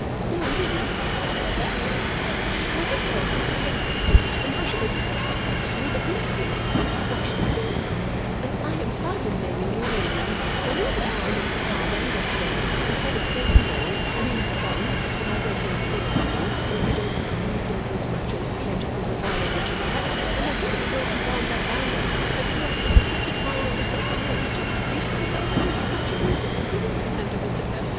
'Though indeed,' she hurried on, 'nothing else is to be expected and why should it be expected and if it's not to be expected why should it be, and I am far from blaming you or any one, When your mama and my papa worried us to death and severed the golden bowl I mean bond but I dare say you know what I mean and if you don't you don't lose much and care just as little I will venture to add when they severed the golden bond that bound us and threw us into fits of crying on the sofa nearly choked at least myself everything was changed and in giving my hand to Mr F.